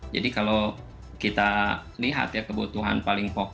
jadi kalau kita lihat ya kebutuhan paling pokoknya